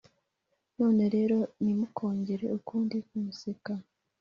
None rero, ntimukongere ukundi kumuseka,